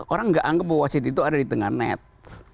orang nggak anggap bahwa wasit itu ada di tengah net